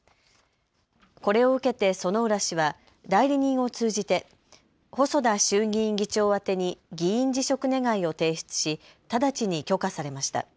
これを受けて薗浦氏は代理人を通じて細田衆議院議長宛てに議員辞職願を提出し直ちに許可されました。